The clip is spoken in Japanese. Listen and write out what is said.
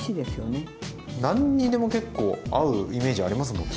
何にでも結構合うイメージありますもんね。